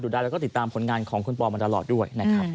ดิจตามของป่าวมาตลอดด้วย